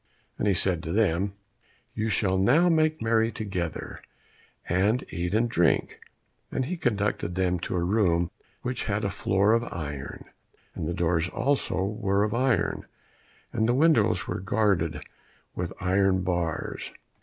And he said to them, "You shall now make merry together, and eat and drink," and he conducted them to a room which had a floor of iron, and the doors also were of iron, and the windows were guarded with iron bars.